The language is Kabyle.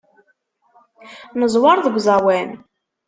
Neẓwer deg uẓawan.